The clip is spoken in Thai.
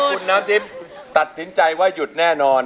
คุณน้ำทิพย์ตัดสินใจว่าหยุดแน่นอน